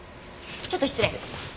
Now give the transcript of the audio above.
ちょっと失礼。